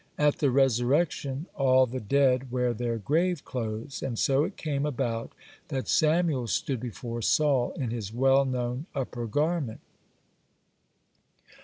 At the resurrection all the dead wear their grave clothes, and so it came about that Samuel stood before Saul in his well known "upper garment."